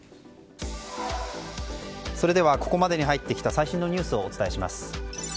それではここまでに入ってきた最新のニュースをお伝えします。